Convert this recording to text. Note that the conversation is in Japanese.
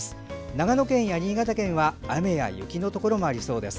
長野県や新潟県は雨や雪のところもありそうです。